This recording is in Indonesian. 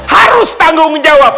harus tanggung jawab